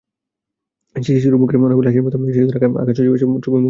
শিশুর মুখের অনাবিল হাসির মতোই শিশুদের আঁকা এসব ছবিও মুগ্ধ করার মতো।